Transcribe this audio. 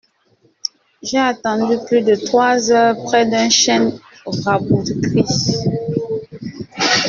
J’ai attendu plus de trois heures près d’un chêne rabougri.